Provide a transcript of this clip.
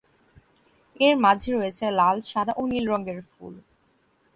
এর মাঝে রয়েছে লাল, সাদা ও নীল রঙের ফুল।